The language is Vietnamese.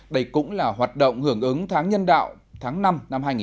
đây cũng là hoạt động hưởng ứng tháng nhân đạo tháng năm năm hai nghìn một mươi chín